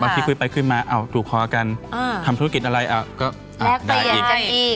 ที่คุยไปคุยมาถูกคอกันทำธุรกิจอะไรก็ได้อีก